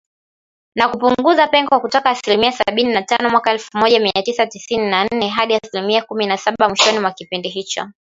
Na kupunguza pengo kutoka asilimia sabini na tano mwaka elfu oja mia tisa tisini na nne, hadi asilimia kumi na saba mwishoni mwa kipindi hicho.